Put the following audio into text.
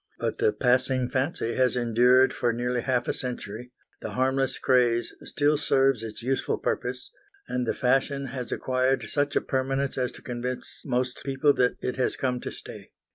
But the passing fancy has endured for nearly half a century, the harmless craze still serves its useful purpose, and the fashion has acquired such a permanence as to convince most people that it has come to stay.